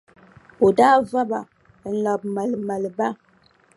O daa va ba n-labi maalimaali ba,